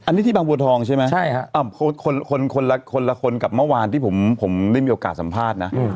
อันนี้ที่บางบัวทองใช่ไหมคนละคนกับเมื่อวานที่ผมได้มีโอกาสสัมภาษณ์นะ